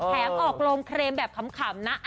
แถมออกลงเครมแบบขำนะ